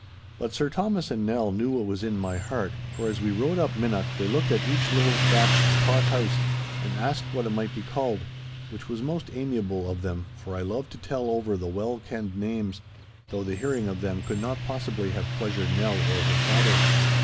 But Sir Thomas and Nell knew what was in my heart, for as we rode up Minnoch they looked at each little thatched cot house, and asked what it might be called—which was most amiable of them, for I loved to tell over the well kenned names, though the hearing of them could not possibly have pleasured Nell or her father.